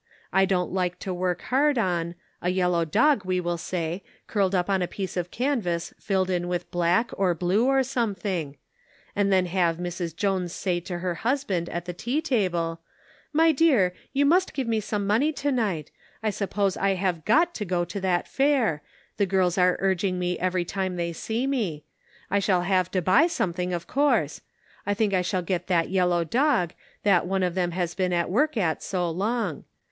I don't like to work hard on — a yellow dog, we will say — curled up on a piece of canvas filled in with black or blue, or something ; and then A Problem. 249 have Mrs. Jones say to her husband at the tea table :" My dear, you must give me some money to night ; I suppose I have got to go to that fair ; the girls are urging me every time they see me. I shall have to buy some thing, of course. I think I shall get that yellow dog, that one of them has been at work at so long.